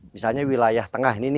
misalnya wilayah tengah